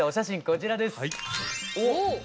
こちらです。